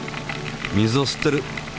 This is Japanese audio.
水を吸ってる！